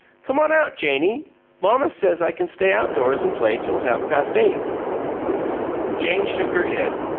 "Come on out, Janie. Mamma says I can stay outdoors an' play till half past eight." Jane shook her head.